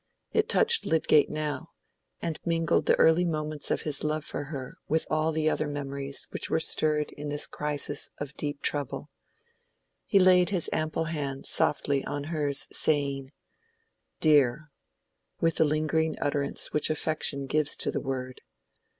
It touched Lydgate now, and mingled the early moments of his love for her with all the other memories which were stirred in this crisis of deep trouble. He laid his ample hand softly on hers, saying— "Dear!" with the lingering utterance which affection gives to the word.